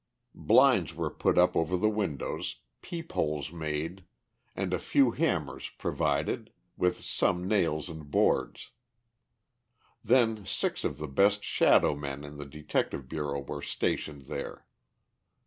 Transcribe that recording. Blinds were put up over the windows, peep holes made, and a few hammers provided, with some nails and boards. Then six of the best "shadow men" in the Detective Bureau were stationed there.